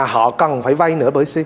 họ cần phải vay nữa